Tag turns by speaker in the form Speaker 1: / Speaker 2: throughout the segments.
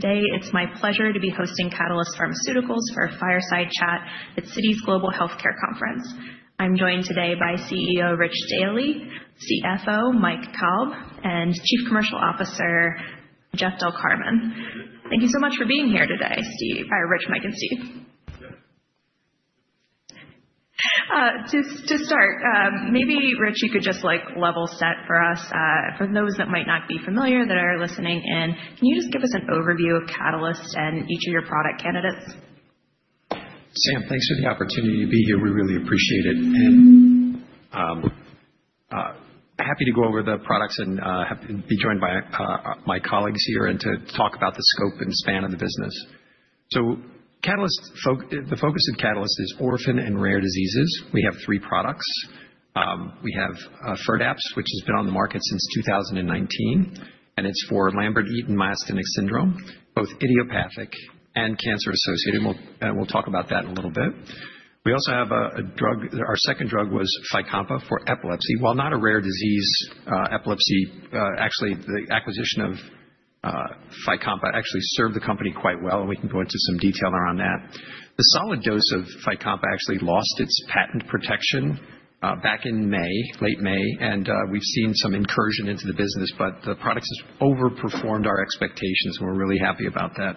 Speaker 1: Today, it's my pleasure to be hosting Catalyst Pharmaceuticals for a fireside chat at Citi's Global Healthcare Conference. I'm joined today by CEO Rich Daly, CFO Mike Kalb, and Chief Commercial Officer Jeff Del Carmen. Thank you so much for being here today, Rich, Mike, and Jeff. To start, maybe, Rich, you could just level set for us, for those that might not be familiar that are listening in. Can you just give us an overview of Catalyst and each of your product candidates?
Speaker 2: Sam, thanks for the opportunity to be here. We really appreciate it, and happy to go over the products and be joined by my colleagues here and to talk about the scope and span of the business, so the focus of Catalyst is orphan and rare diseases. We have three products. We have Firdapse, which has been on the market since 2019, and it's for Lambert-Eaton myasthenic syndrome, both idiopathic and cancer associated. We'll talk about that in a little bit. We also have a drug. Our second drug was Fycompa for epilepsy. While not a rare disease, epilepsy, actually, the acquisition of Fycompa actually served the company quite well, and we can go into some detail around that. The solid dose of Fycompa actually lost its patent protection back in May, late May, and we've seen some incursion into the business, but the products have overperformed our expectations, and we're really happy about that.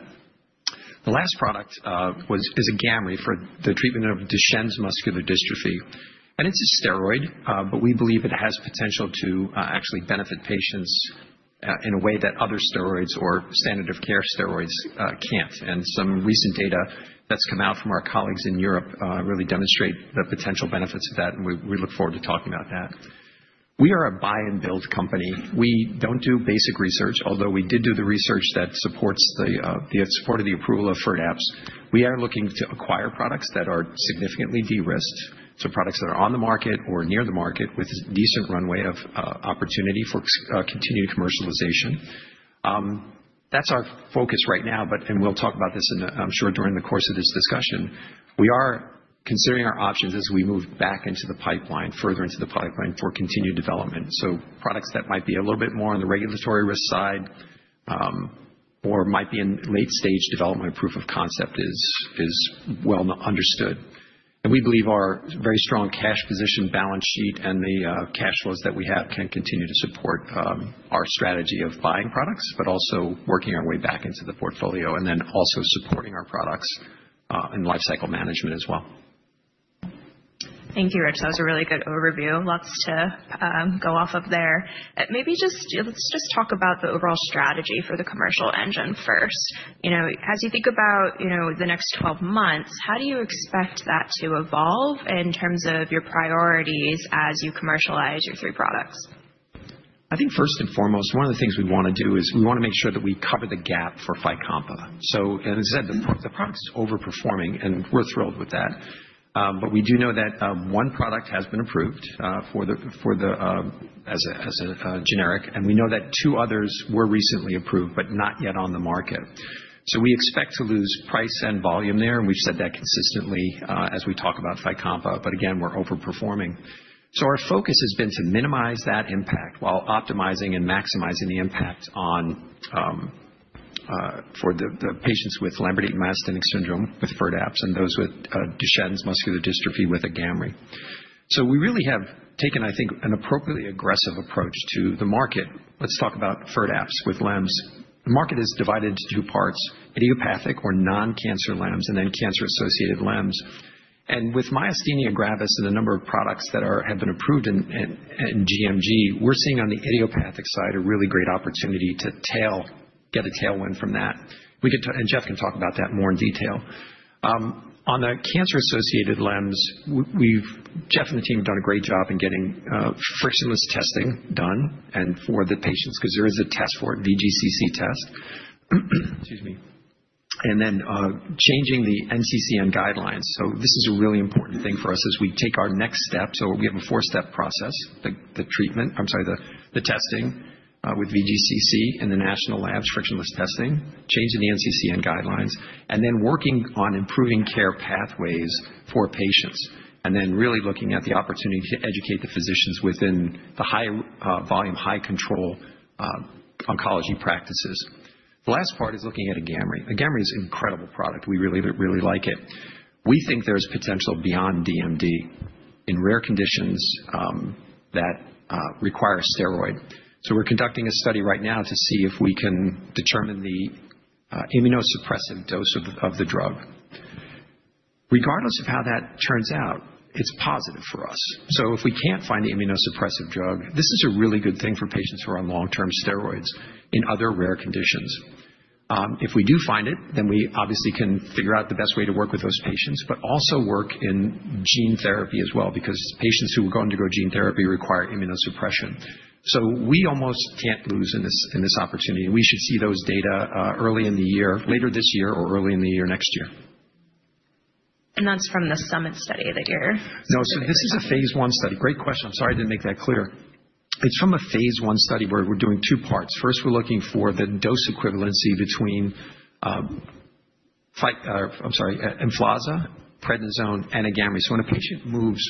Speaker 2: The last product is Agamree for the treatment of Duchenne muscular dystrophy. And it's a steroid, but we believe it has potential to actually benefit patients in a way that other steroids or standard-of-care steroids can't. And some recent data that's come out from our colleagues in Europe really demonstrate the potential benefits of that, and we look forward to talking about that. We are a buy-and-build company. We don't do basic research, although we did do the research that supports the approval of Firdapse. We are looking to acquire products that are significantly de-risked, so products that are on the market or near the market with a decent runway of opportunity for continued commercialization. That's our focus right now, and we'll talk about this, I'm sure, during the course of this discussion. We are considering our options as we move back into the pipeline, further into the pipeline for continued development. So products that might be a little bit more on the regulatory risk side or might be in late-stage development of proof of concept is well understood. And we believe our very strong cash position, balance sheet, and the cash flows that we have can continue to support our strategy of buying products, but also working our way back into the portfolio, and then also supporting our products in lifecycle management as well. Thank you, Rich. That was a really good overview. Lots to go off of there. Maybe let's just talk about the overall strategy for the commercial engine first. As you think about the next 12 months, how do you expect that to evolve in terms of your priorities as you commercialize your three products? I think first and foremost, one of the things we want to do is we want to make sure that we cover the gap for Fycompa. So, as I said, the product is overperforming, and we're thrilled with that. But we do know that one product has been approved as a generic, and we know that two others were recently approved, but not yet on the market. So we expect to lose price and volume there, and we've said that consistently as we talk about Fycompa, but again, we're overperforming. So our focus has been to minimize that impact while optimizing and maximizing the impact for the patients with Lambert-Eaton myasthenic syndrome with Firdapse and those with Duchenne muscular dystrophy with Agamree. So we really have taken, I think, an appropriately aggressive approach to the market. Let's talk about Firdapse with LEMS. The market is divided into two parts: idiopathic or non-cancer LEMS, and then cancer-associated LEMS. And with Myasthenia gravis and a number of products that have been approved in GMG, we're seeing on the idiopathic side a really great opportunity to get a tailwind from that. And Jeff can talk about that more in detail. On the cancer-associated LEMS, Jeff and the team have done a great job in getting frictionless testing done for the patients because there is a test for it, VGCC test. Excuse me. And then changing the NCCN guidelines. So this is a really important thing for us as we take our next step. So we have a four-step process, the treatment, I'm sorry, the testing with VGCC in the national labs, frictionless testing, changing the NCCN guidelines, and then working on improving care pathways for patients, and then really looking at the opportunity to educate the physicians within the high-volume, high-control oncology practices. The last part is looking at Agamree. Agamree is an incredible product. We really, really like it. We think there's potential beyond DMD in rare conditions that require a steroid. So we're conducting a study right now to see if we can determine the immunosuppressive dose of the drug. Regardless of how that turns out, it's positive for us. So if we can't find the immunosuppressive drug, this is a really good thing for patients who are on long-term steroids in other rare conditions. If we do find it, then we obviously can figure out the best way to work with those patients, but also work in gene therapy as well because patients who are going to go gene therapy require immunosuppression. So we almost can't lose in this opportunity, and we should see those data early in the year, later this year, or early in the year-next-year. That's from the Summit study that you're discussing? No, so this is a phase one study. Great question. I'm sorry I didn't make that clear. It's from a phase one study where we're doing two parts. First, we're looking for the dose equivalency between Emflaza, Prednisone, and Agamree. So when a patient moves,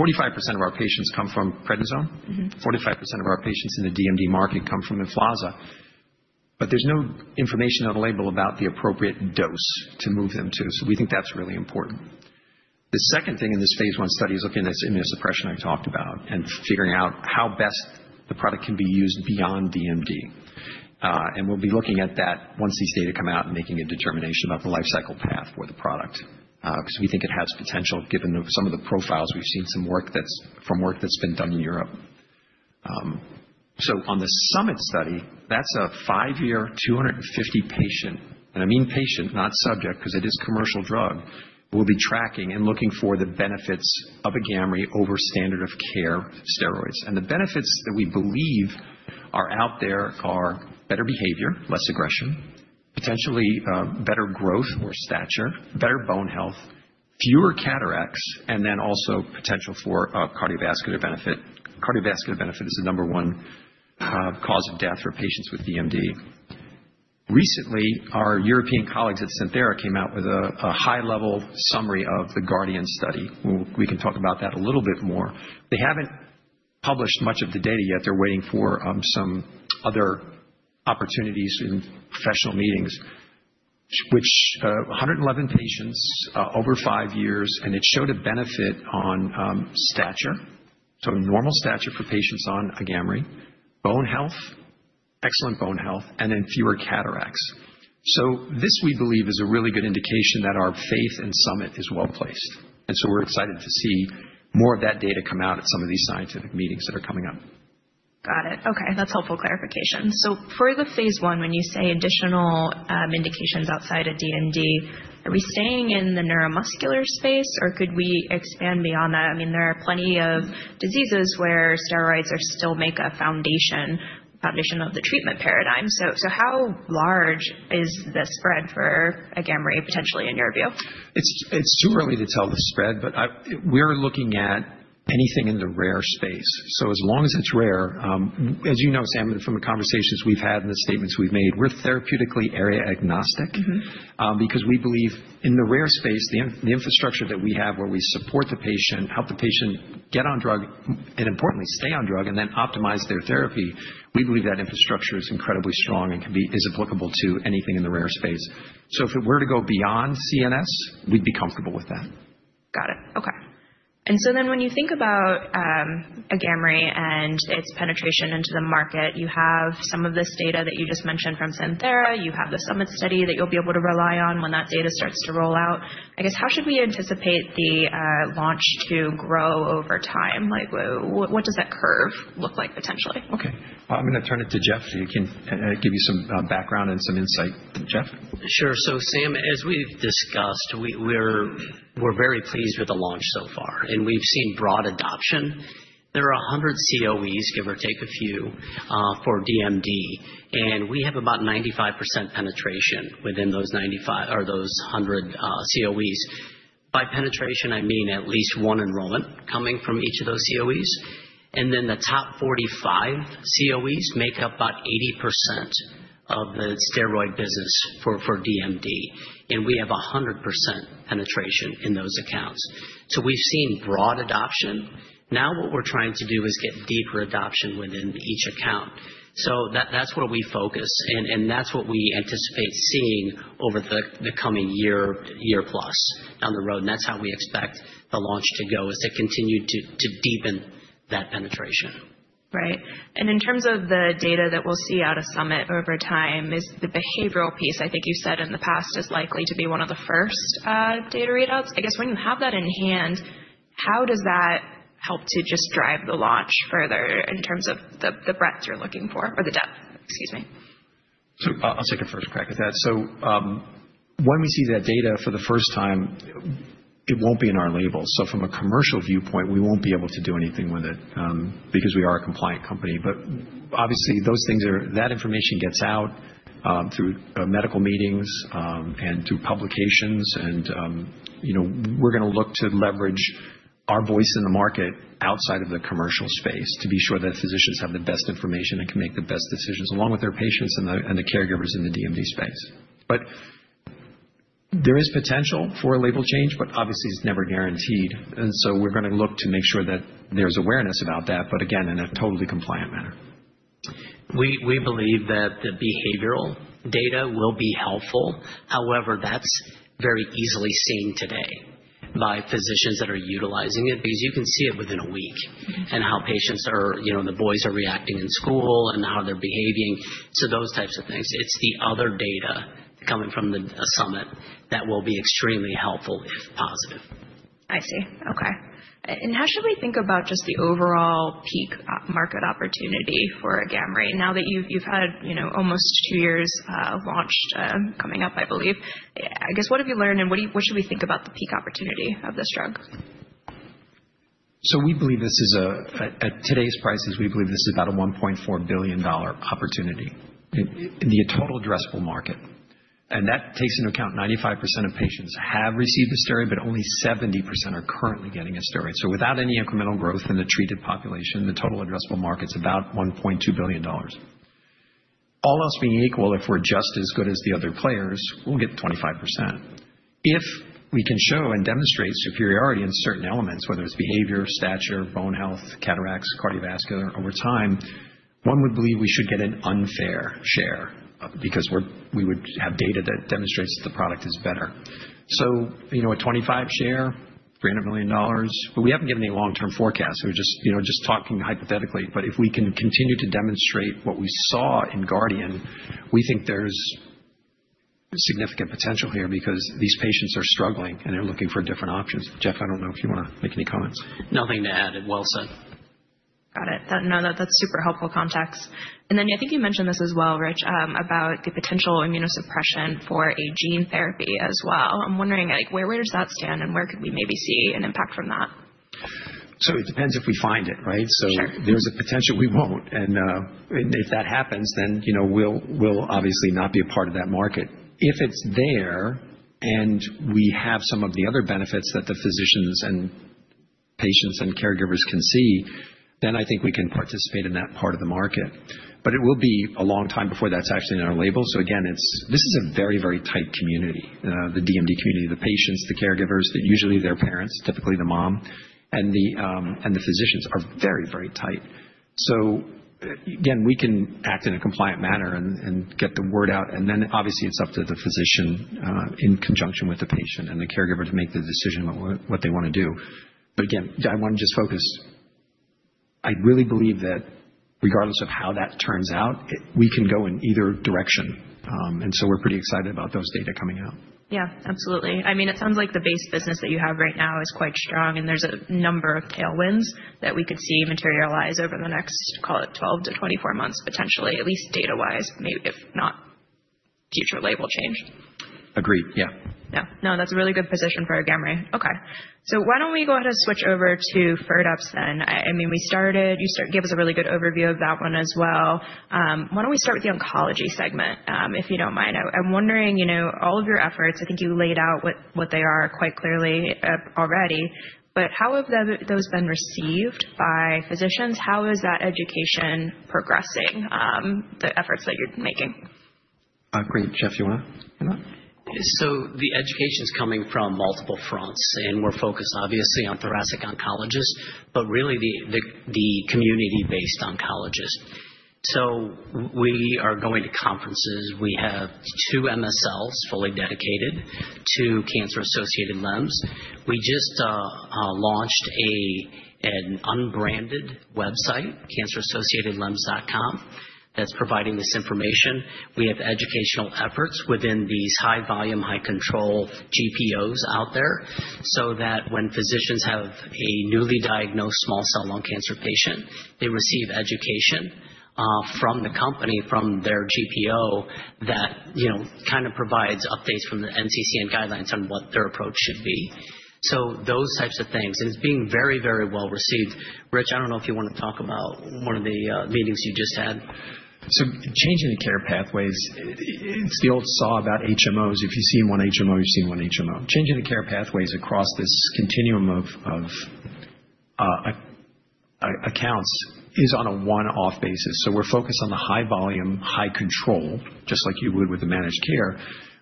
Speaker 2: 45% of our patients come from Prednisone. 45% of our patients in the DMD market come from Emflaza. But there's no information on the label about the appropriate dose to move them to. So we think that's really important. The second thing in this phase one study is looking at this immunosuppression I talked about and figuring out how best the product can be used beyond DMD. And we'll be looking at that once these data come out and making a determination about the lifecycle path for the product because we think it has potential given some of the profiles. We've seen some work that's been done in Europe. So on the Summit study, that's a five-year, 250-patient, and I mean patient, not subject because it is a commercial drug, we'll be tracking and looking for the benefits of Agamree over standard-of-care steroids. The benefits that we believe are out there are better behavior, less aggression, potentially better growth or stature, better bone health, fewer cataracts, and then also potential for cardiovascular benefit. Cardiovascular benefit is the number one cause of death for patients with DMD. Recently, our European colleagues at Santhera came out with a high-level summary of the Guardian study. We can talk about that a little bit more. They haven't published much of the data yet. They're waiting for some other opportunities in professional meetings, which 111 patients over five years, and it showed a benefit on stature, so normal stature for patients on Agamree, bone health, excellent bone health, and then fewer cataracts. So this, we believe, is a really good indication that our faith in Summit is well placed. And so we're excited to see more of that data come out at some of these scientific meetings that are coming up. Got it. Okay. That's helpful clarification. So for the phase one, when you say additional indications outside of DMD, are we staying in the neuromuscular space, or could we expand beyond that? I mean, there are plenty of diseases where steroids still make a foundation of the treatment paradigm. So how large is the spread for Agamree, potentially, in your view? It's too early to tell the spread, but we're looking at anything in the rare space. So as long as it's rare, as you know, Sam, from the conversations we've had and the statements we've made, we're therapeutically area-agnostic because we believe in the rare space, the infrastructure that we have where we support the patient, help the patient get on drug, and importantly, stay on drug, and then optimize their therapy, we believe that infrastructure is incredibly strong and is applicable to anything in the rare space. So if it were to go beyond CNS, we'd be comfortable with that. Got it. Okay, and so then when you think about Agamree and its penetration into the market, you have some of this data that you just mentioned from Santhera. You have the Summit study that you'll be able to rely on when that data starts to roll out. I guess, how should we anticipate the launch to grow over time? What does that curve look like, potentially? Okay. I'm going to turn it to Jeff so he can give you some background and some insight. Jeff?
Speaker 3: Sure. So Sam, as we've discussed, we're very pleased with the launch so far, and we've seen broad adoption. There are 100 COEs, give or take a few, for DMD, and we have about 95% penetration within those 100 COEs. By penetration, I mean at least one enrollment coming from each of those COEs. And then the top 45 COEs make up about 80% of the steroid business for DMD, and we have 100% penetration in those accounts. So we've seen broad adoption. Now what we're trying to do is get deeper adoption within each account. So that's where we focus, and that's what we anticipate seeing over the coming year, year-plus down the road. And that's how we expect the launch to go is to continue to deepen that penetration. Right. And in terms of the data that we'll see out of Summit over time, is the behavioral piece, I think you've said in the past, is likely to be one of the first data readouts. I guess when you have that in hand, how does that help to just drive the launch further in terms of the breadth you're looking for or the depth? Excuse me.
Speaker 2: So I'll take a first crack at that. So when we see that data for the first time, it won't be in our label. So from a commercial viewpoint, we won't be able to do anything with it because we are a compliant company. But obviously, that information gets out through medical meetings and through publications. And we're going to look to leverage our voice in the market outside of the commercial space to be sure that physicians have the best information and can make the best decisions along with their patients and the caregivers in the DMD space. But there is potential for a label change, but obviously, it's never guaranteed. And so we're going to look to make sure that there's awareness about that, but again, in a totally compliant manner. We believe that the behavioral data will be helpful. However, that's very easily seen today by physicians that are utilizing it because you can see it within a week and how patients are and the boys are reacting in school and how they're behaving. So those types of things. It's the other data coming from the summit that will be extremely helpful if positive. I see. Okay. And how should we think about just the overall peak market opportunity for Agamree now that you've had almost two years launched coming up, I believe? I guess, what have you learned, and what should we think about the peak opportunity of this drug? So we believe this is, at today's prices, we believe this is about a $1.4 billion opportunity in the total addressable market. And that takes into account 95% of patients have received a steroid, but only 70% are currently getting a steroid. So without any incremental growth in the treated population, the total addressable market's about $1.2 billion. All else being equal, if we're just as good as the other players, we'll get 25%. If we can show and demonstrate superiority in certain elements, whether it's behavior, stature, bone health, cataracts, cardiovascular, over time, one would believe we should get an unfair share because we would have data that demonstrates the product is better. So a 25 share, $300 million. But we haven't given any long-term forecasts. We're just talking hypothetically. But if we can continue to demonstrate what we saw in Guardian, we think there's significant potential here because these patients are struggling and they're looking for different options. Jeff, I don't know if you want to make any comments.
Speaker 3: Nothing to add. Well said. Got it. No, that's super helpful context. And then I think you mentioned this as well, Rich, about the potential immunosuppression for a gene therapy as well. I'm wondering, where does that stand, and where could we maybe see an impact from that?
Speaker 2: So it depends if we find it, right? So there's a potential we won't. And if that happens, then we'll obviously not be a part of that market. If it's there and we have some of the other benefits that the physicians and patients and caregivers can see, then I think we can participate in that part of the market. But it will be a long time before that's actually in our label. So again, this is a very, very tight community, the DMD community, the patients, the caregivers, usually their parents, typically the mom, and the physicians are very, very tight. So again, we can act in a compliant manner and get the word out. And then obviously, it's up to the physician in conjunction with the patient and the caregiver to make the decision on what they want to do. But again, I want to just focus. I really believe that regardless of how that turns out, we can go in either direction, and so we're pretty excited about those data coming out. Yeah, absolutely. I mean, it sounds like the base business that you have right now is quite strong, and there's a number of tailwinds that we could see materialize over the next, call it 12 to 24 months, potentially, at least data-wise, maybe if not future label change. Agreed. Yeah. Yeah. No, that's a really good position for Agamree. Okay. So why don't we go ahead and switch over to Firdapse then? I mean, you gave us a really good overview of that one as well. Why don't we start with the oncology segment, if you don't mind? I'm wondering, all of your efforts, I think you laid out what they are quite clearly already, but how have those been received by physicians? How is that education progressing, the efforts that you're making? Great. Jeff, you want to end that?
Speaker 3: So the education is coming from multiple fronts, and we're focused, obviously, on thoracic oncologists, but really the community-based oncologists. We are going to conferences. We have two MSLs fully dedicated to cancer-associated LEMS. We just launched an unbranded website, cancerassociatedlems.com, that's providing this information. We have educational efforts within these high-volume, high-control GPOs out there so that when physicians have a newly diagnosed small cell lung cancer patient, they receive education from the company, from their GPO, that kind of provides updates from the NCCN guidelines on what their approach should be. So those types of things. And it's being very, very well received. Rich, I don't know if you want to talk about one of the meetings you just had.
Speaker 2: So changing the care pathways, it's the old saw about HMOs. If you've seen one HMO, you've seen one HMO. Changing the care pathways across this continuum of accounts is on a one-off basis. So we're focused on the high-volume, high-control, just like you would with the managed care,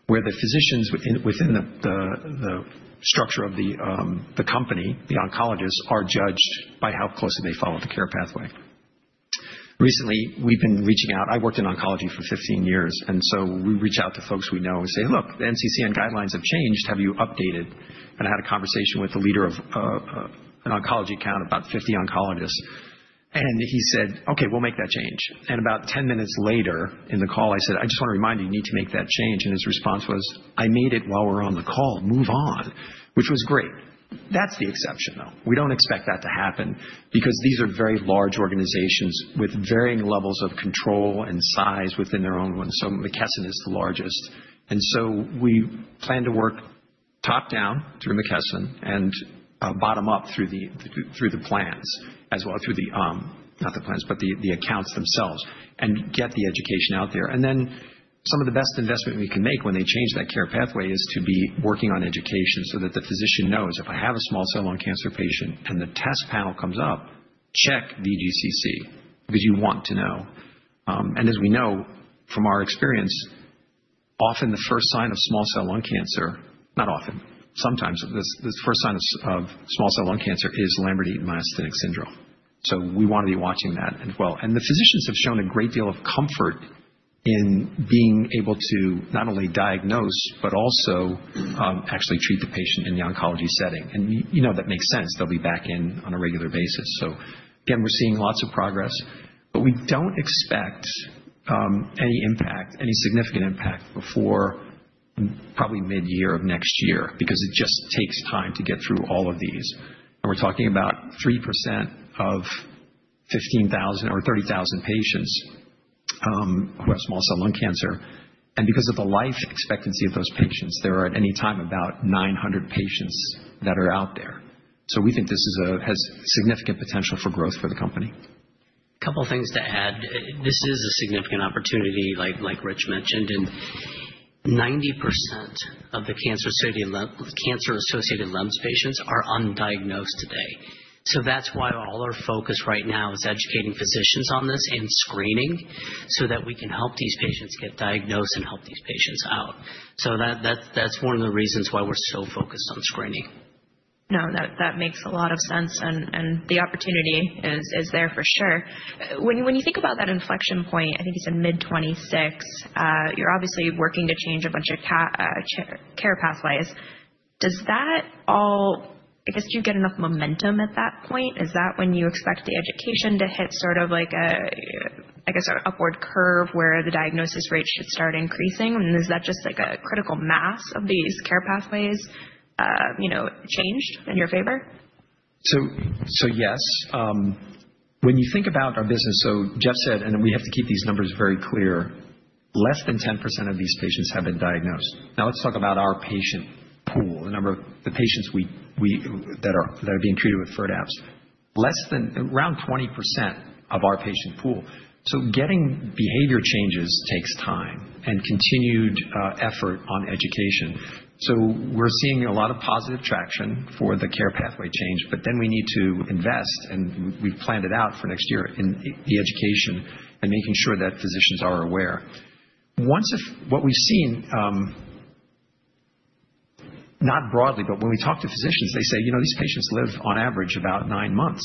Speaker 2: where the physicians within the structure of the company, the oncologists, are judged by how closely they follow the care pathway. Recently, we've been reaching out. I worked in oncology for 15 years, and so we reach out to folks we know and say, "Look, the NCCN guidelines have changed. Have you updated?" And I had a conversation with the leader of an oncology account, about 50 oncologists. He said, "Okay, we'll make that change." And about 10 minutes later in the call, I said, "I just want to remind you, you need to make that change." And his response was, "I made it while we're on the call. Move on," which was great. That's the exception, though. We don't expect that to happen because these are very large organizations with varying levels of control and size within their own ones. So McKesson is the largest. And so we plan to work top-down through McKesson and bottom-up through the plans as well, through the not the plans, but the accounts themselves, and get the education out there. And then some of the best investment we can make when they change that care pathway is to be working on education so that the physician knows, "If I have a small cell lung cancer patient and the test panel comes up, check VGCC because you want to know." And as we know from our experience, often the first sign of small cell lung cancer, not often, sometimes the first sign of small cell lung cancer is Lambert-Eaton myasthenic syndrome. So we want to be watching that as well. And the physicians have shown a great deal of comfort in being able to not only diagnose, but also actually treat the patient in the oncology setting. And that makes sense. They'll be back in on a regular basis. So again, we're seeing lots of progress, but we don't expect any significant impact before probably mid-year of next year because it just takes time to get through all of these. And we're talking about 3% of 15,000 or 30,000 patients who have small cell lung cancer. And because of the life expectancy of those patients, there are at any time about 900 patients that are out there. So we think this has significant potential for growth for the company.
Speaker 3: A couple of things to add. This is a significant opportunity, like Rich mentioned. And 90% of the cancer-associated LEMS patients are undiagnosed today. So that's why all our focus right now is educating physicians on this and screening so that we can help these patients get diagnosed and help these patients out. So that's one of the reasons why we're so focused on screening. No, that makes a lot of sense. And the opportunity is there for sure. When you think about that inflection point, I think you said mid-26, you're obviously working to change a bunch of care pathways. Does that all, I guess, do you get enough momentum at that point? Is that when you expect the education to hit sort of like a, I guess, an upward curve where the diagnosis rate should start increasing? And is that just like a critical mass of these care pathways changed in your favor?
Speaker 2: Yes. When you think about our business, so Jeff said, and we have to keep these numbers very clear, less than 10% of these patients have been diagnosed. Now let's talk about our patient pool, the number of patients that are being treated with Firdapse. Around 20% of our patient pool. So getting behavior changes takes time and continued effort on education. So we're seeing a lot of positive traction for the care pathway change, but then we need to invest, and we've planned it out for next year in the education and making sure that physicians are aware. What we've seen, not broadly, but when we talk to physicians, they say, "These patients live on average about nine months."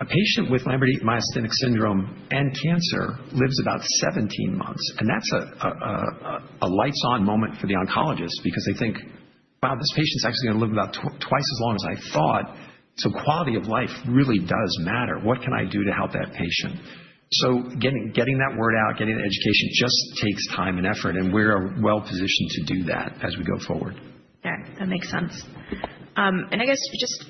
Speaker 2: A patient with Lambert-Eaton myasthenic syndrome and cancer lives about 17 months. That's a lights-on moment for the oncologist because they think, "Wow, this patient's actually going to live about twice as long as I thought." Quality of life really does matter. What can I do to help that patient? Getting that word out, getting the education just takes time and effort. We're well-positioned to do that as we go forward. Yeah, that makes sense. And I guess just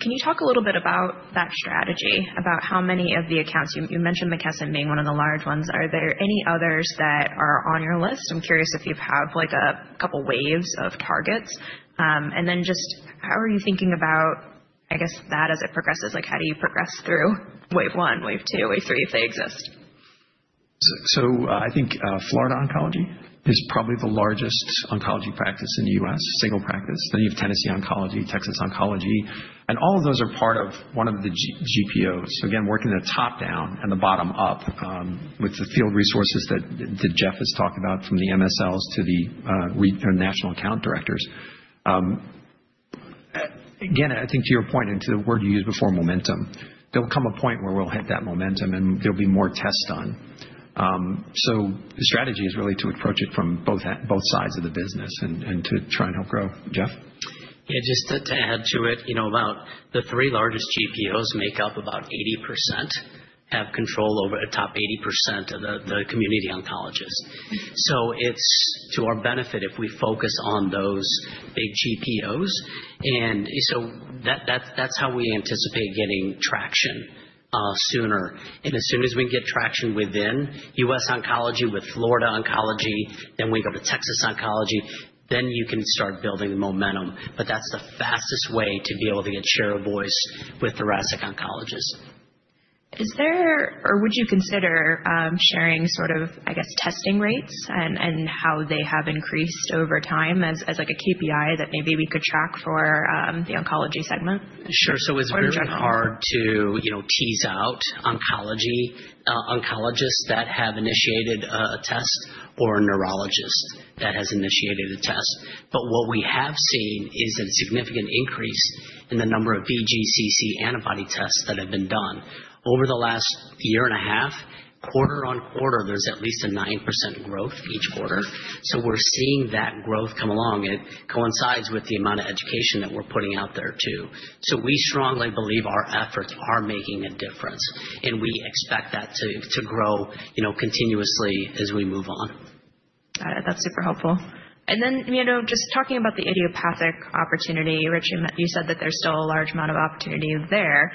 Speaker 2: can you talk a little bit about that strategy, about how many of the accounts you mentioned McKesson being one of the large ones? Are there any others that are on your list? I'm curious if you've had a couple of waves of targets. And then just how are you thinking about, I guess, that as it progresses? How do you progress through wave one, wave two, wave three if they exist? So I think Florida Oncology is probably the largest oncology practice in the U.S., single practice. Then you have Tennessee Oncology, Texas Oncology. And all of those are part of one of the GPOs. So again, working the top-down and the bottom-up with the field resources that Jeff has talked about from the MSLs to the national account directors. Again, I think to your point and to the word you used before, momentum. There will come a point where we'll hit that momentum and there'll be more tests done. So the strategy is really to approach it from both sides of the business and to try and help grow. Jeff?
Speaker 3: Yeah, just to add to it, about the three largest GPOs make up about 80%, have control over the top 80% of the community oncologists. So it's to our benefit if we focus on those big GPOs. And so that's how we anticipate getting traction sooner. And as soon as we can get traction within US Oncology, with Florida Oncology, then we go to Texas Oncology, then you can start building momentum. But that's the fastest way to be able to get share of voice with thoracic oncologists. Is there or would you consider sharing sort of, I guess, testing rates and how they have increased over time as a KPI that maybe we could track for the oncology segment? Sure. So it's very hard to tease out oncologists that have initiated a test or a neurologist that has initiated a test. But what we have seen is a significant increase in the number of VGCC antibody tests that have been done. Over the last year and a half, quarter on quarter, there's at least a 9% growth each quarter. So we're seeing that growth come along. It coincides with the amount of education that we're putting out there too. So we strongly believe our efforts are making a difference. And we expect that to grow continuously as we move on. Got it. That's super helpful. And then just talking about the idiopathic opportunity, Rich, you said that there's still a large amount of opportunity there.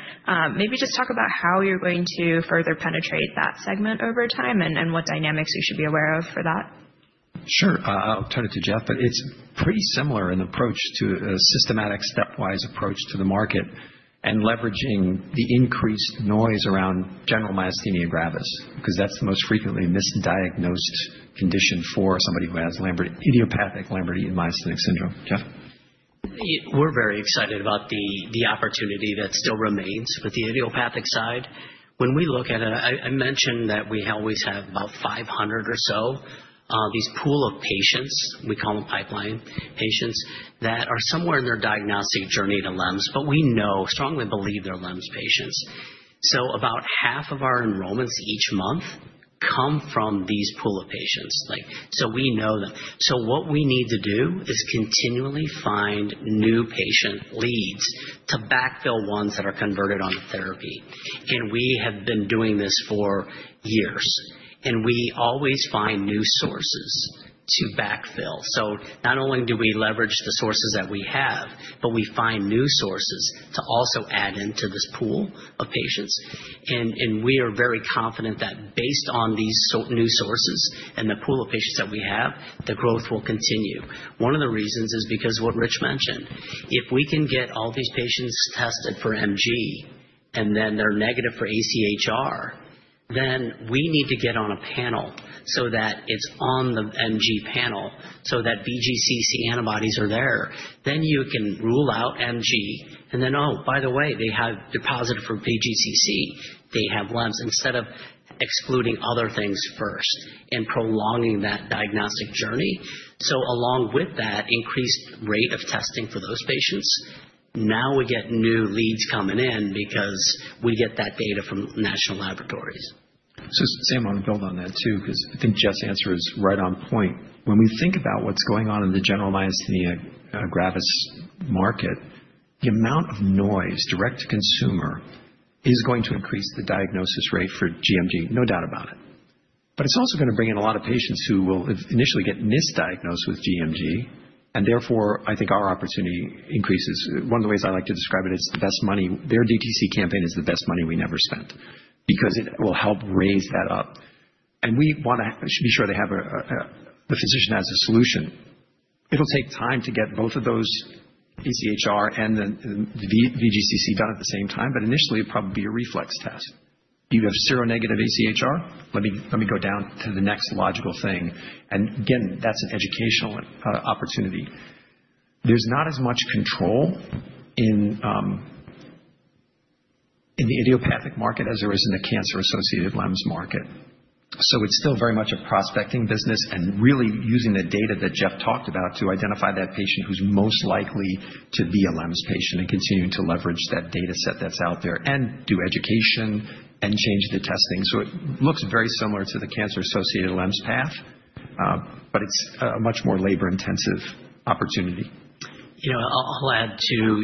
Speaker 3: Maybe just talk about how you're going to further penetrate that segment over time and what dynamics you should be aware of for that?
Speaker 2: Sure. I'll turn it to Jeff, but it's pretty similar in approach to a systematic stepwise approach to the market and leveraging the increased noise around generalized myasthenia gravis because that's the most frequently misdiagnosed condition for somebody who has idiopathic Lambert-Eaton myasthenic syndrome. Jeff?
Speaker 3: We're very excited about the opportunity that still remains with the idiopathic side. When we look at it, I mentioned that we always have about 500 or so, these pool of patients, we call them pipeline patients, that are somewhere in their diagnostic journey to LEMS, but we strongly believe they're LEMS patients. So about half of our enrollments each month come from these pool of patients. So we know that. So what we need to do is continually find new patient leads to backfill ones that are converted on therapy. And we have been doing this for years. And we always find new sources to backfill. So not only do we leverage the sources that we have, but we find new sources to also add into this pool of patients. We are very confident that based on these new sources and the pool of patients that we have, the growth will continue. One of the reasons is because what Rich mentioned. If we can get all these patients tested for MG and then they're negative for ACHR, then we need to get on a panel so that it's on the MG panel so that VGCC antibodies are there. Then you can rule out MG and then, oh, by the way, they have positive for VGCC. They have LEMS instead of excluding other things first and prolonging that diagnostic journey. So along with that increased rate of testing for those patients, now we get new leads coming in because we get that data from national laboratories.
Speaker 2: So Sam, I want to build on that too because I think Jeff's answer is right on point. When we think about what's going on in the general myasthenia gravis market, the amount of noise direct to consumer is going to increase the diagnosis rate for GMG, no doubt about it. But it's also going to bring in a lot of patients who will initially get misdiagnosed with GMG. And therefore, I think our opportunity increases. One of the ways I like to describe it is the best money. Their DTC campaign is the best money we never spent because it will help raise that up. And we want to be sure the physician has a solution. It'll take time to get both of those ACHR and the VGCC done at the same time, but initially, it'd probably be a reflex test. You have zero negative ACHR, let me go down to the next logical thing. And again, that's an educational opportunity. There's not as much control in the idiopathic market as there is in the cancer-associated limbs market. So it's still very much a prospecting business and really using the data that Jeff talked about to identify that patient who's most likely to be a limbs patient and continuing to leverage that data set that's out there and do education and change the testing. So it looks very similar to the cancer-associated limbs path, but it's a much more labor-intensive opportunity.
Speaker 3: I'll add, too,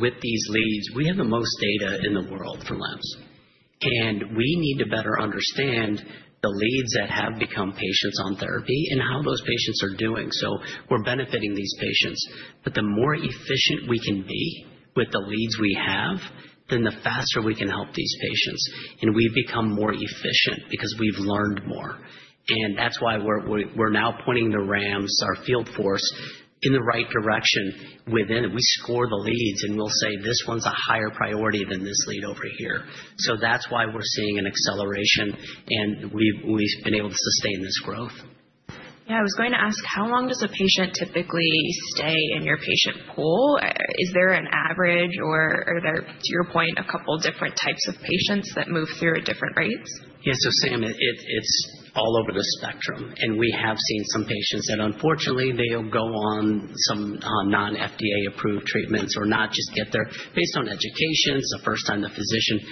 Speaker 3: with these leads, we have the most data in the world for limbs, and we need to better understand the leads that have become patients on therapy and how those patients are doing, so we're benefiting these patients, but the more efficient we can be with the leads we have, then the faster we can help these patients. And we've become more efficient because we've learned more, and that's why we're now pointing the MSLs, our field force, in the right direction within. We score the leads and we'll say, "This one's a higher priority than this lead over here," so that's why we're seeing an acceleration and we've been able to sustain this growth. Yeah, I was going to ask, how long does a patient typically stay in your patient pool? Is there an average or are there, to your point, a couple of different types of patients that move through at different rates? Yeah, so Sam, it's all over the spectrum. And we have seen some patients that, unfortunately, they'll go on some non-FDA-approved treatments or not get treated based on education. It's the first time the physicians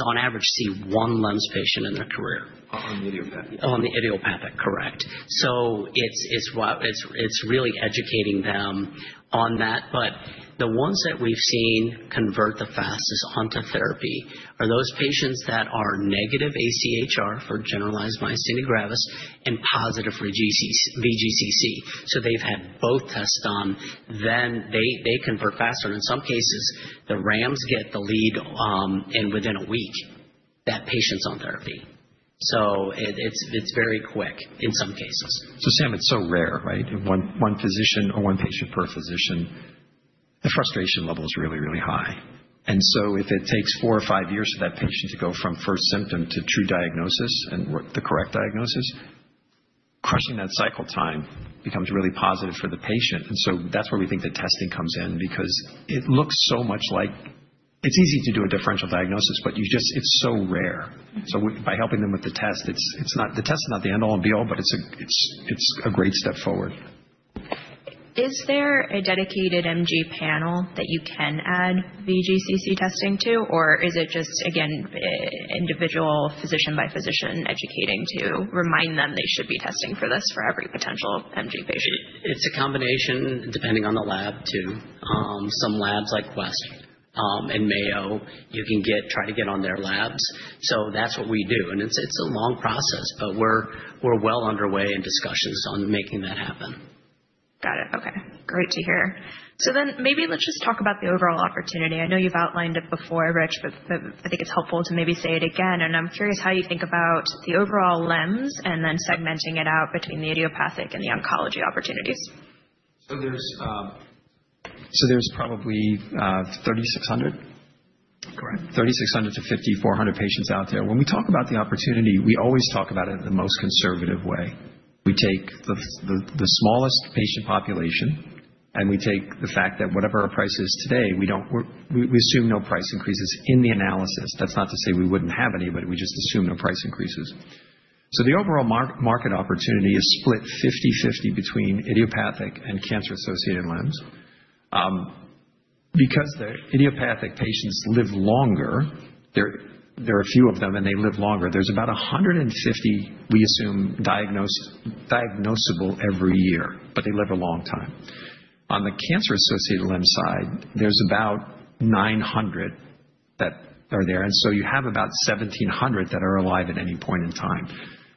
Speaker 3: on average see one LEMS patient in their career.
Speaker 2: On the idiopathic.
Speaker 3: On the idiopathic, correct. So it's really educating them on that. But the ones that we've seen convert the fastest onto therapy are those patients that are negative ACHR for generalized myasthenia gravis and positive for VGCC. So they've had both tests done, then they convert faster. And in some cases, the MSLs get the lead within a week that patient's on therapy. So it's very quick in some cases.
Speaker 2: So Sam, it's so rare, right? One physician or one patient per physician, the frustration level is really, really high. And so if it takes four or five years for that patient to go from first symptom to true diagnosis and the correct diagnosis, crushing that cycle time becomes really positive for the patient. And so that's where we think the testing comes in because it looks so much like it's easy to do a differential diagnosis, but it's so rare. So by helping them with the test, the test is not the end all and be all, but it's a great step forward. Is there a dedicated MG panel that you can add VGCC testing to, or is it just, again, individual physician by physician educating to remind them they should be testing for this for every potential MG patient?
Speaker 3: It's a combination depending on the lab too. Some labs like Quest and Mayo, you can try to get on their labs. So that's what we do, and it's a long process, but we're well underway in discussions on making that happen. Got it. Okay. Great to hear. So then maybe let's just talk about the overall opportunity. I know you've outlined it before, Rich, but I think it's helpful to maybe say it again, and I'm curious how you think about the overall limbs and then segmenting it out between the idiopathic and the oncology opportunities.
Speaker 2: There's probably 3,600.
Speaker 3: Correct.
Speaker 2: 3,600-5,400 patients out there. When we talk about the opportunity, we always talk about it in the most conservative way. We take the smallest patient population and we take the fact that whatever our price is today, we assume no price increases in the analysis. That's not to say we wouldn't have any, but we just assume no price increases. So the overall market opportunity is split 50/50 between idiopathic and cancer-associated LEMS. Because the idiopathic patients live longer, there are a few of them and they live longer. There's about 150 we assume diagnosable every year, but they live a long time. On the cancer-associated LEMS side, there's about 900 that are there. And so you have about 1,700 that are alive at any point in time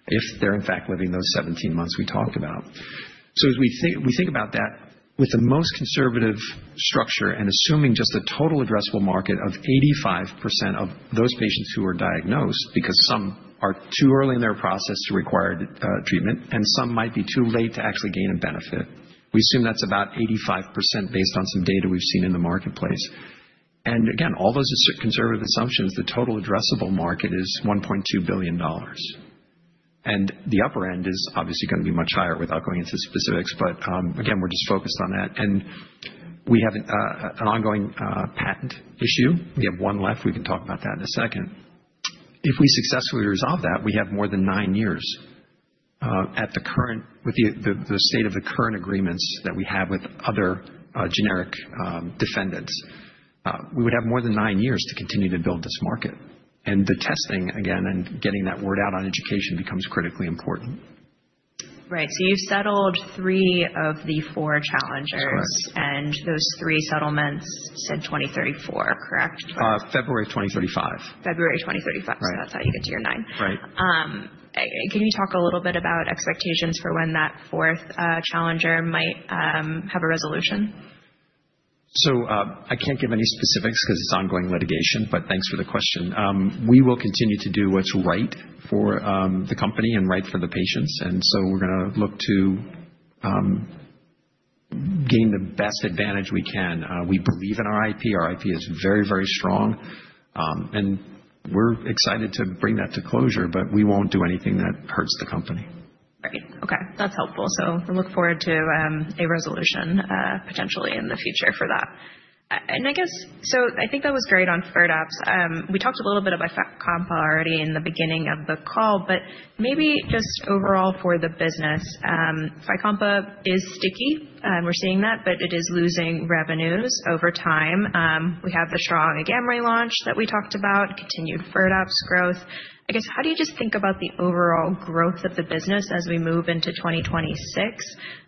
Speaker 2: if they're in fact living those 17 months we talked about. So as we think about that with the most conservative structure and assuming just a total addressable market of 85% of those patients who are diagnosed because some are too early in their process to require treatment and some might be too late to actually gain a benefit, we assume that's about 85% based on some data we've seen in the marketplace. And again, all those are conservative assumptions. The total addressable market is $1.2 billion. And the upper end is obviously going to be much higher without going into specifics, but again, we're just focused on that. And we have an ongoing patent issue. We have one left. We can talk about that in a second. If we successfully resolve that, we have more than nine years at the current with the state of the current agreements that we have with other generic defendants. We would have more than nine years to continue to build this market, and the testing, again, and getting that word out on education becomes critically important. Right. So you've settled three of the four challengers. Correct. Those three settlements said 2034, correct? February 2035. February 2035. So that's how you get to your nine. Right. Can you talk a little bit about expectations for when that fourth challenger might have a resolution? So I can't give any specifics because it's ongoing litigation, but thanks for the question. We will continue to do what's right for the company and right for the patients. And so we're going to look to gain the best advantage we can. We believe in our IP. Our IP is very, very strong. And we're excited to bring that to closure, but we won't do anything that hurts the company. Right. Okay. That's helpful. So we look forward to a resolution potentially in the future for that. And I guess, so I think that was great on FIRDAPSE. We talked a little bit about FYCOMPA already in the beginning of the call, but maybe just overall for the business, FYCOMPA is sticky. We're seeing that, but it is losing revenues over time. We have the Shaw and the AGAMREE launch that we talked about, continued FIRDAPSE growth. I guess, how do you just think about the overall growth of the business as we move into 2026?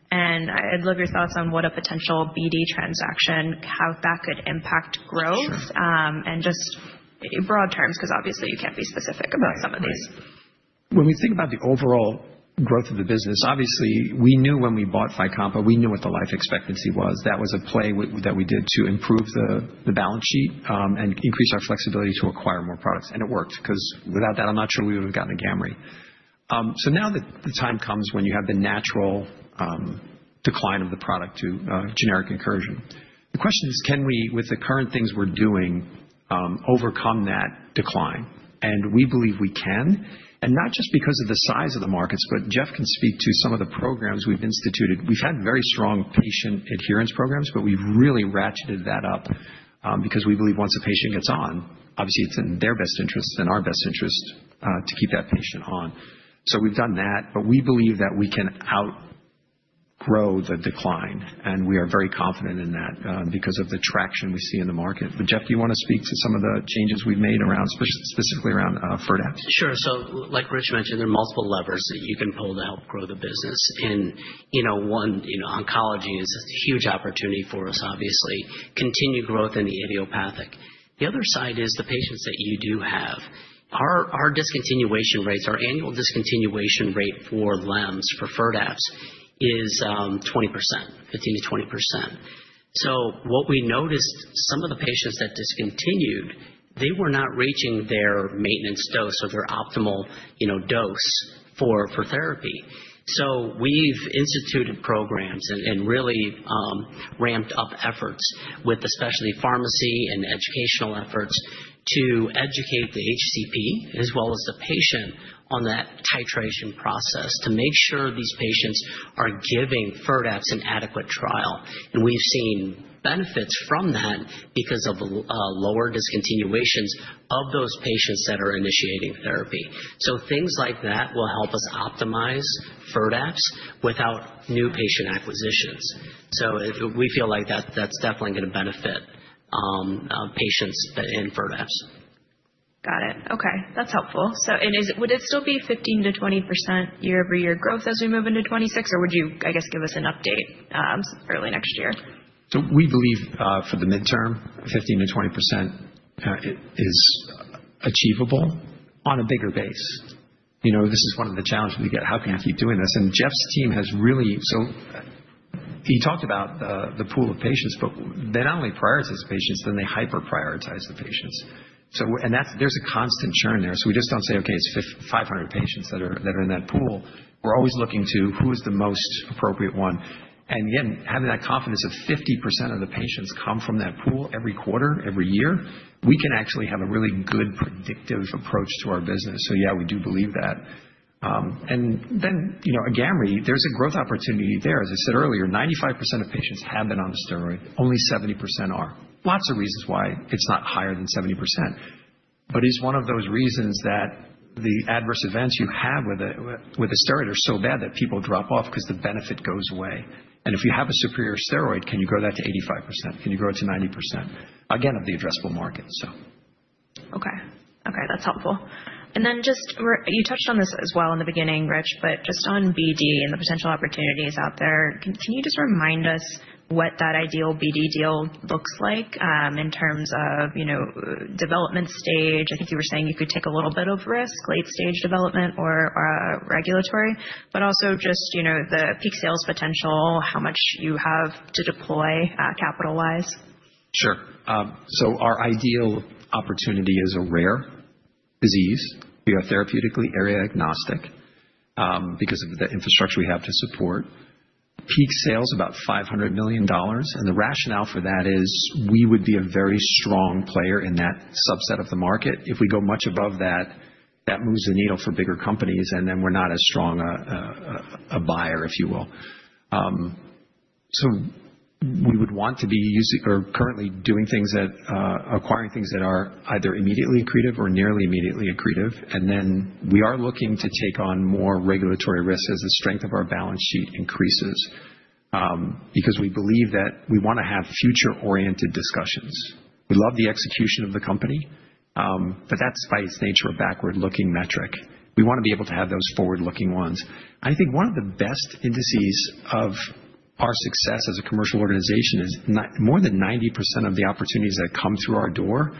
Speaker 2: And I'd love your thoughts on what a potential BD transaction, how that could impact growth and just broad terms because obviously you can't be specific about some of these. When we think about the overall growth of the business, obviously we knew when we bought FYCOMPA, we knew what the life expectancy was. That was a play that we did to improve the balance sheet and increase our flexibility to acquire more products. And it worked because without that, I'm not sure we would have gotten AGAMREE. So now that the time comes when you have the natural decline of the product to generic incursion, the question is, can we, with the current things we're doing, overcome that decline? And we believe we can. And not just because of the size of the markets, but Jeff can speak to some of the programs we've instituted. We've had very strong patient adherence programs, but we've really ratcheted that up because we believe once a patient gets on, obviously it's in their best interest and our best interest to keep that patient on. So we've done that, but we believe that we can outgrow the decline. And we are very confident in that because of the traction we see in the market. But Jeff, do you want to speak to some of the changes we've made specifically around FIRDAPSE?
Speaker 3: Sure. So like Rich mentioned, there are multiple levers that you can pull to help grow the business. One, oncology is a huge opportunity for us, obviously. Continued growth in the idiopathic. The other side is the patients that you do have. Our discontinuation rates, our annual discontinuation rate for LEMS for FIRDAPSE is 20%, 15%-20%. So what we noticed, some of the patients that discontinued, they were not reaching their maintenance dose or their optimal dose for therapy. So we've instituted programs and really ramped up efforts with especially pharmacy and educational efforts to educate the HCP as well as the patient on that titration process to make sure these patients are giving FIRDAPSE an adequate trial. And we've seen benefits from that because of lower discontinuations of those patients that are initiating therapy. So things like that will help us optimize FIRDAPSE without new patient acquisitions. So we feel like that's definitely going to benefit patients in FIRDAPSE. Got it. Okay. That's helpful. So would it still be 15%-20% year-over-year growth as we move into 2026, or would you, I guess, give us an update early next year?
Speaker 2: So we believe for the midterm, 15%-20% is achievable on a bigger base. This is one of the challenges we get. How can I keep doing this? And Jeff's team has really, so he talked about the pool of patients, but they not only prioritize patients, then they hyper-prioritize the patients. And there's a constant churn there. So we just don't say, "Okay, it's 500 patients that are in that pool." We're always looking to who is the most appropriate one. And again, having that confidence of 50% of the patients come from that pool every quarter, every year, we can actually have a really good predictive approach to our business. So yeah, we do believe that. And then Agamree, there's a growth opportunity there. As I said earlier, 95% of patients have been on the steroid. Only 70% are. Lots of reasons why it's not higher than 70%. But it's one of those reasons that the adverse events you have with a steroid are so bad that people drop off because the benefit goes away. And if you have a superior steroid, can you grow that to 85%? Can you grow it to 90%? Again, of the addressable market, so. Okay. Okay. That's helpful. And then just you touched on this as well in the beginning, Rich, but just on BD and the potential opportunities out there, can you just remind us what that ideal BD deal looks like in terms of development stage? I think you were saying you could take a little bit of risk, late-stage development or regulatory, but also just the peak sales potential, how much you have to deploy capital-wise. Sure. So our ideal opportunity is a rare disease. We are therapeutically area-agnostic because of the infrastructure we have to support. Peak sales about $500 million. And the rationale for that is we would be a very strong player in that subset of the market. If we go much above that, that moves the needle for bigger companies, and then we're not as strong a buyer, if you will. So we would want to be currently doing things that acquiring things that are either immediately accretive or nearly immediately accretive. And then we are looking to take on more regulatory risk as the strength of our balance sheet increases because we believe that we want to have future-oriented discussions. We love the execution of the company, but that's by its nature a backward-looking metric. We want to be able to have those forward-looking ones. I think one of the best indices of our success as a commercial organization is more than 90% of the opportunities that come through our door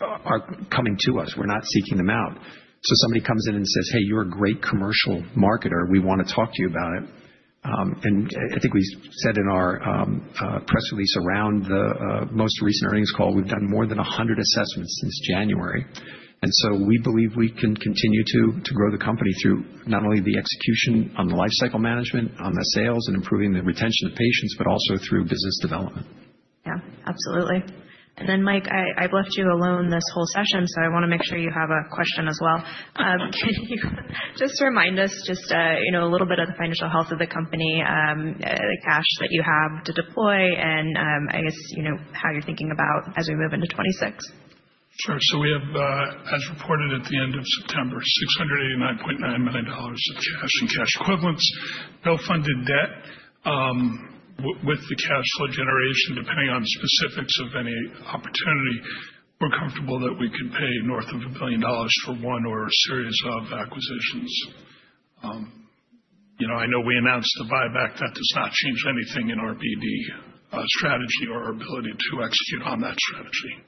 Speaker 2: are coming to us. We're not seeking them out. So somebody comes in and says, "Hey, you're a great commercial marketer. We want to talk to you about it." And I think we said in our press release around the most recent earnings call, we've done more than 100 assessments since January. And so we believe we can continue to grow the company through not only the execution on the lifecycle management, on the sales, and improving the retention of patients, but also through business development. Yeah. Absolutely. And then, Mike, I've left you alone this whole session, so I want to make sure you have a question as well. Can you just remind us just a little bit of the financial health of the company, the cash that you have to deploy, and I guess how you're thinking about as we move into 2026?
Speaker 4: Sure. So we have, as reported at the end of September, $689.9 million of cash and cash equivalents, no funded debt, with the cash flow generation, depending on specifics of any opportunity. We're comfortable that we could pay north of $1 billion for one or a series of acquisitions. I know we announced a buyback. That does not change anything in our BD strategy or our ability to execute on that strategy.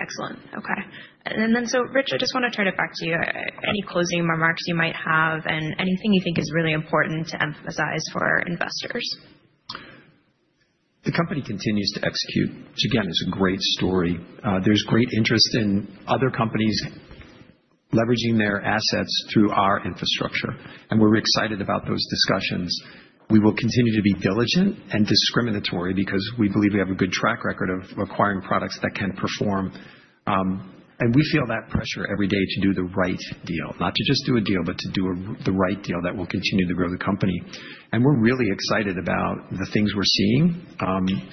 Speaker 4: Excellent. Okay. And then so, Rich, I just want to turn it back to you. Any closing remarks you might have and anything you think is really important to emphasize for investors?
Speaker 2: The company continues to execute, which again, is a great story. There's great interest in other companies leveraging their assets through our infrastructure. And we're excited about those discussions. We will continue to be diligent and discriminatory because we believe we have a good track record of acquiring products that can perform. And we feel that pressure every day to do the right deal, not to just do a deal, but to do the right deal that will continue to grow the company. And we're really excited about the things we're seeing.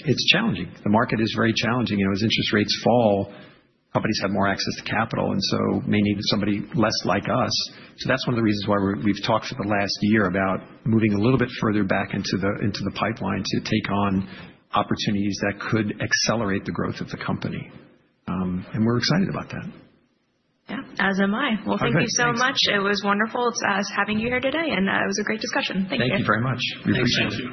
Speaker 2: It's challenging. The market is very challenging. As interest rates fall, companies have more access to capital and so may need somebody less like us. So that's one of the reasons why we've talked for the last year about moving a little bit further back into the pipeline to take on opportunities that could accelerate the growth of the company. And we're excited about that. Yeah. As am I. Well, thank you so much. It was wonderful having you here today, and it was a great discussion. Thank you. Thank you very much. We appreciate it.